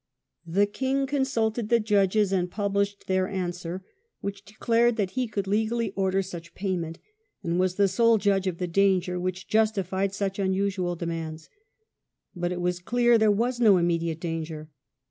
"*^®°^ The king consulted the judges and published theiF answer, which declared that he could legally order such payment, and "was the sole judge of the danger" which justified such unusual demands. But it was clear there was no immediate danger.